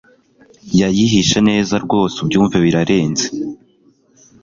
Yayihishe neza rwose ubyumve birarenze